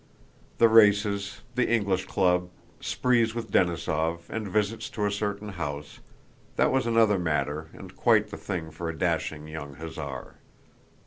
The races, the English Club, sprees with Denísov, and visits to a certain house—that was another matter and quite the thing for a dashing young hussar!